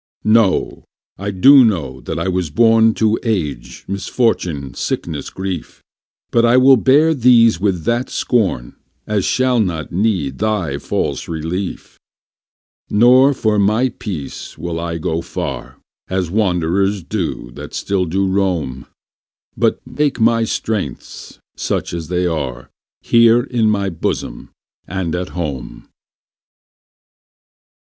No, I do know that I was born To age, misfortune, sickness, grief: But I will bear these with that scorn As shall not need thy false relief. Nor for my peace will I go far, As wanderers do, that still do roam; But make my strengths, such as they are, Here in my bosom, and at home.